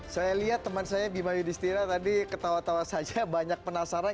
saya lihat teman saya bima yudhistira tadi ketawa tawa saja banyak penasaran